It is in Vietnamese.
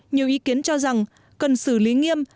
nhiều ý kiến cho rằng cần xử lý nghiêm